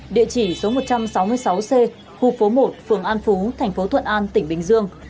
địa chỉ số một trăm sáu mươi sáu c khu phố một phường an phú thành phố thuận an tỉnh bình dương